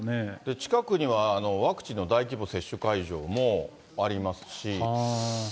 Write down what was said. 近くにはワクチンの大規模接種会場もありますし。